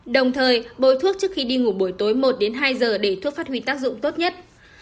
đồng thời bồi thuốc trước khi đi ngủ buổi tối một đến hai giờ để thuốc phát huy tác dụng tốt nhất